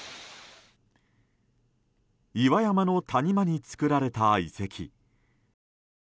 岩山の谷間に作られた遺跡。